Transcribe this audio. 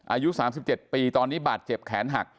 อายุ๓๗ปีตอนนี้บาดเจ็บแขนหัก